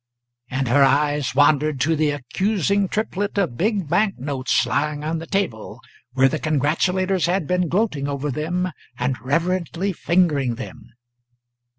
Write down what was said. and her eyes wandered to the accusing triplet of big bank notes lying on the table, where the congratulators had been gloating over them and reverently fingering them.